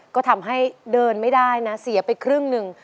ก็ทำให้เดินไม่ได้นะเสียไปครึ่งหนึ่ง